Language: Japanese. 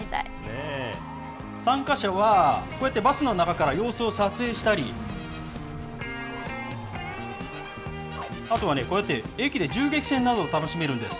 参加者は、こうやってバスの中から様子を撮影したり、あとはね、こうやって駅で銃撃戦などを楽しめるんです。